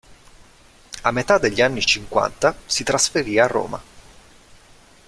A metà degli anni Cinquanta si trasferì a Roma.